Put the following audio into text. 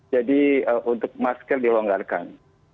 jadi untuk masker dilonggarkan